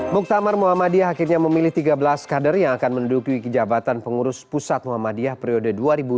muktamar muhammadiyah akhirnya memilih tiga belas kader yang akan mendukui kejabatan pengurus pusat muhammadiyah periode dua ribu dua puluh dua dua ribu dua puluh tujuh